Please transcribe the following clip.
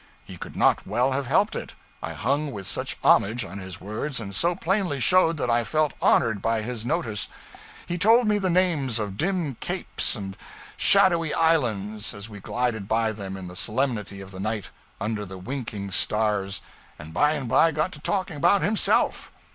He could not well have helped it, I hung with such homage on his words and so plainly showed that I felt honored by his notice. He told me the names of dim capes and shadowy islands as we glided by them in the solemnity of the night, under the winking stars, and by and by got to talking about himself.